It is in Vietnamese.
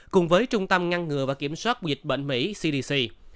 cùng với trung tâm ngăn ngừa và kiểm soát bệnh dịch mỹ